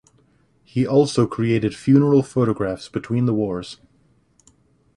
He also created funeral photographs between the wars.